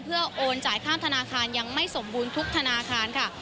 เพื่อโอนจ่ายข้ามธนาคารยังไม่สมบูรณ์ทุกธนาคารค่ะ